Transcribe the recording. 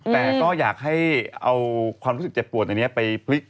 แต่ก็อยากให้เอาความรู้สึกเจ็บปวดอันนี้ไปพลิก